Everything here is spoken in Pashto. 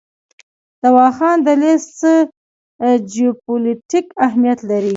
د واخان دهلیز څه جیوپولیټیک اهمیت لري؟